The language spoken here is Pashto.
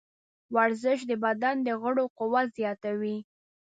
ورزش د بدن د غړو قوت زیاتوي.